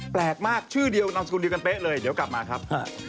แปลกมากชื่อเดียวนามสกุลเดียวกันเป๊ะเลยเดี๋ยวกลับมาครับ